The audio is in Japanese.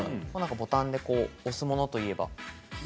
ボタンで押すものといえば？